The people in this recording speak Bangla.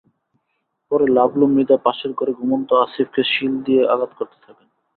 পরে লাবলু মৃধা পাশের ঘরে ঘুমন্ত আসিফকে শিল দিয়ে আঘাত করতে থাকেন।